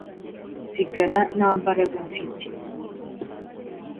nsigara nta mbaraga mfite